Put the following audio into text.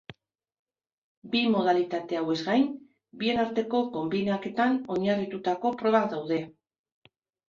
Bi modalitate hauez gain, bien arteko konbinaketan oinarritutako probak daude.